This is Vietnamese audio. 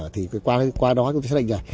thì qua đó cũng xác định là